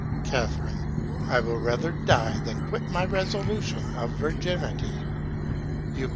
Ca. I will rather die than quit my Resolution of Virginity. Eu.